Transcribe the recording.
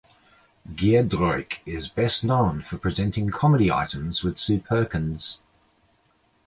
Giedroyc is best known for presenting comedy items with Sue Perkins.